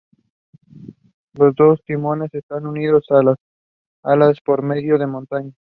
Los dos timones estaban unidos a las alas por medio de montantes.